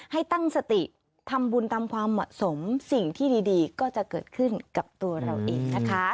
ให้ตั้งสติทำบุญตามความเหมาะสมสิ่งที่ดีก็จะเกิดขึ้นกับตัวเราเองนะคะ